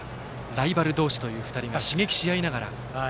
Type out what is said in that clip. ライバル同士という２人が刺激し合いながら。